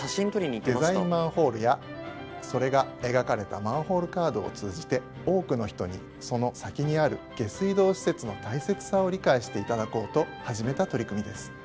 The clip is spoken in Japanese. デザインマンホールやそれが描かれたマンホールカードを通じて多くの人にその先にある下水道施設の大切さを理解して頂こうと始めた取り組みです。